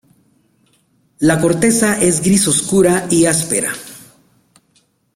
La corteza es gris oscura y áspera.